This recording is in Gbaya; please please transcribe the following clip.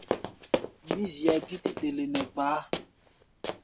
Mí zia gítí ɗele nɛ gbaá.